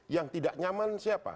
yang tidak nyaman siapa